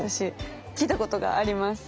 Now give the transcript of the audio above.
来たことがあります。